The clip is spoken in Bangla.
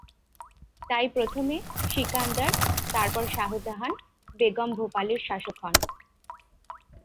তাই প্রথমে সিকান্দার তারপর শাহজাহান বেগম ভোপালের শাসক হন।